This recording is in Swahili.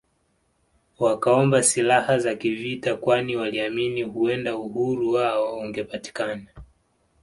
Wakaomba silaha za kivita kwani waliamini huenda uhuru wao ungepatikana